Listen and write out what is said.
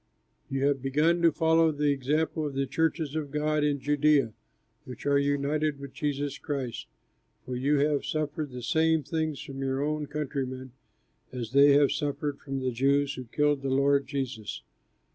You have begun to follow the example of the churches of God in Judea which are united with Jesus Christ, for you have suffered the same things from your own countrymen as they have suffered from the Jews who killed the Lord Jesus.